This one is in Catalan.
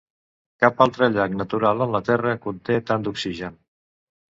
Cap altre llac natural en la Terra conté tant d'oxigen.